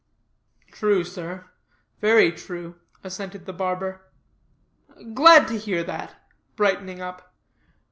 "True, sir, very true," assented the barber. "Glad to hear that," brightening up.